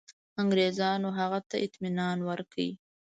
انګرېزانو هغه ته اطمیان ورکړ.